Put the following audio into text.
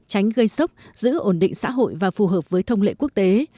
tránh gây sốc giữ ổn định xã hội và phù hợp với thông lệ quốc tế